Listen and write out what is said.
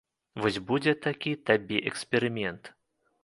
Вось будзе такі табе эксперымент.